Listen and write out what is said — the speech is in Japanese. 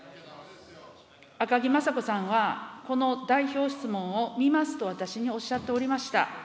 赤木雅子さんは、この代表質問を見ますと私におっしゃっておりました。